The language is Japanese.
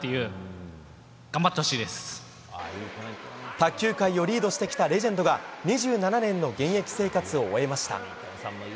卓球界をリードしてきたレジェンドが２７年の現役生活を終えました。